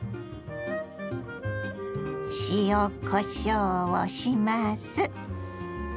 塩こしょうをします。